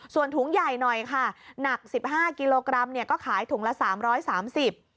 ส่วนถุงใหญ่หน่อยค่ะหนัก๑๕กิโลกรัมก็ขายถุงละ๓๓๐บาท